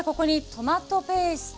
トマトペースト。